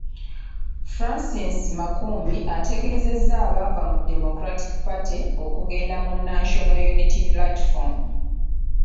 Francis Makumbi ategeezezza abaava mu Democratic Party okugenda mu National Unity Platform.